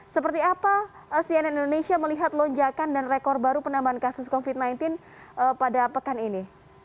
seperti apa cnn indonesia melihat lonjakan dan rekor baru penambahan kasus covid sembilan belas pada pekan ini